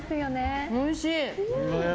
おいしい！